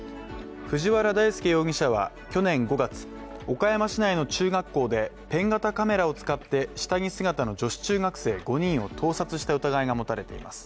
藤原大輔容疑者は去年５月、岡山市内の中学校で、ペン型カメラを使って下着姿の女子中学生５人を盗撮した疑いが持たれています。